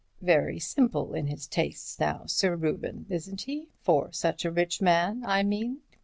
Very simple in his tastes, now, Sir Reuben, isn't he? for such a rich man, I mean."